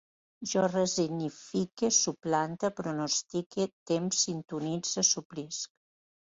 Jo resinifique, suplante, pronostique, tem, sintonitze, suplisc